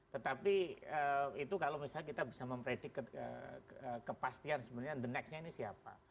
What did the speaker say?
tetapi itu kalau misalnya kita bisa mempredik kepastian sebenarnya the nextnya ini siapa